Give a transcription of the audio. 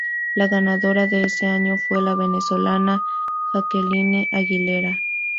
La ganadora de ese año fue la venezolana Jacqueline Aguilera.